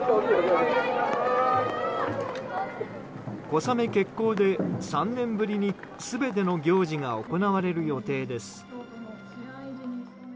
小雨決行で３年ぶりに全ての行事が行われる予定です。